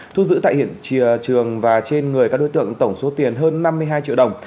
thu giữ tại hiện trường và trên người các đối tượng tổng số tiền hơn năm mươi hai triệu đồng